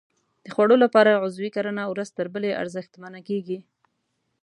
د خوړو لپاره عضوي کرنه ورځ تر بلې ارزښتمنه کېږي.